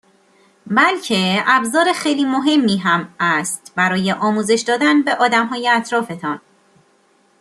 بلکه ابزار خیلی مهمی هم است برای آموزش دادن به آدمهای اطرافتان